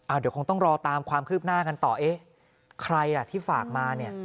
เดี๋ยวคงต้องรอตามความคืบหน้ากันต่อเอ๊ะใครอ่ะที่ฝากมาเนี่ย